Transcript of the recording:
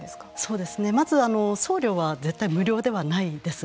そうですねまず送料は絶対無料ではないです。